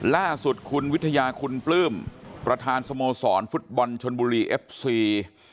ล่าสุดคุณวิทยาคุณปลื้มประธานสโมสรฟุตบอลชนบุรีเอฟซี